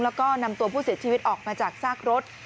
แล้วก็นำตัวผู้เสียชีวิตออกมาจากซากรถ